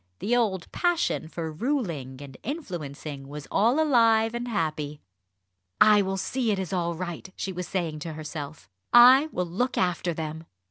The old passion for ruling and influencing was all alive and happy. "I will see it is all right," she was saying to herself. "I will look after them."